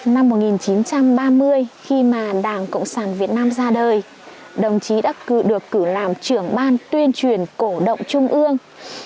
năm một nghìn chín trăm ba mươi khi mà đảng cộng sản việt nam ra đời đồng chí đã được cử làm trưởng ban tuyên truyền cổ động trung ương